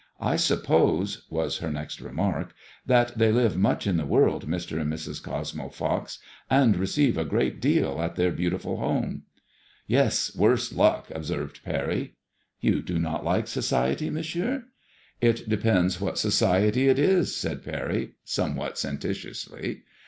"I suppose/' was her next remark, ''that they live much in the woiid, Mr. and Mrs. Cosmo Pox, and receive a great deal at their beautiful home ?"" Yes, worse luck !" observed Parry. '' You do not like society. Monsieur ?*'^* It depends what society it is/' said Parry, somewhat senten tiously.